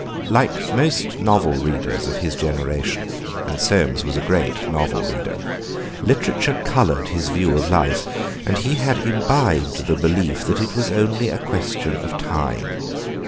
Like most novel readers of his generation (and Soames was a great novel reader), literature coloured his view of life; and he had imbibed the belief that it was only a question of time.